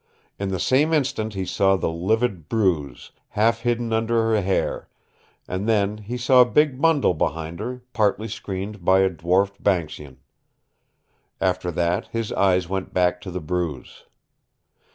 In the same instant he saw the livid bruise, half hidden under her hair and then he saw a big bundle behind her, partly screened by a dwarfed banksian. After that his eyes went back to the bruise.